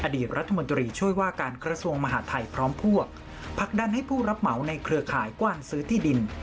อดีตรัฐมนตรีช่วยว่าการกระทรวงมหาทัยพร้อมพวกผลักดันให้ผู้รับเหมาในเครือข่ายกว้านซื้อที่ดิน